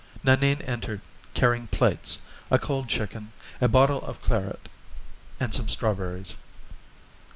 Nanine entered, carrying plates, a cold chicken, a bottle of claret, and some strawberries.